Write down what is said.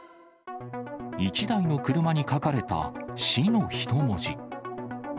１台の車に書かれた、死の一文字。